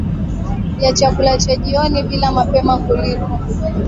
ya chakula cha jioni bila mapema kuliko